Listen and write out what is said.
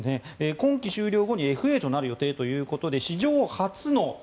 今季終了後にＦＡとなる予定ということで史上初の。